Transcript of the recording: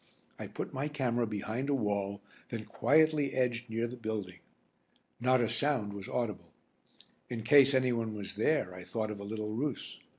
I put my camera behind a wall then quietly edged near the building. Not a sound was audible. In case anyone was there I thought of a little ruse.